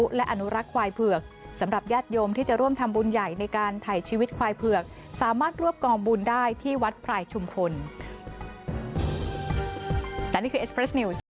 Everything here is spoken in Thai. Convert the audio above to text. จากโรงฆ่าสัตว์แล้วก็นำมาเลี้ยงไป